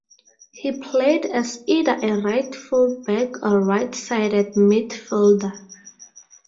He played as either a right full back or right-sided midfielder.